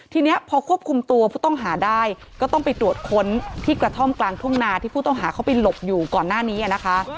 ทีนี้พอควบคุมตัวผู้ต้องหาได้ก็ต้องไปตรวจค้นที่กระท่อมกลางทุ่งนาที่ผู้ต้องหาเข้าไปหลบอยู่ก่อนหน้านี้นะคะ